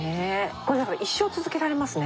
これだから一生続けられますね。